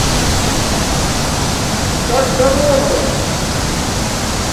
Как здоровые!